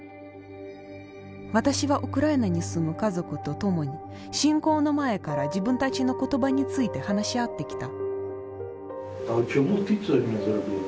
私はウクライナに住む家族と共に侵攻の前から自分たちの言葉について話し合ってきた。